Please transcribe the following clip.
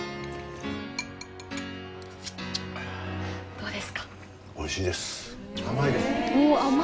どうですか？